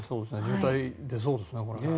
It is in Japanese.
渋滞、出そうですね。